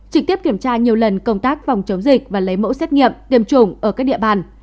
trực tiếp kiểm tra nhiều lần công tác phòng chống dịch và lấy mẫu xét nghiệm tiêm chủng ở các địa bàn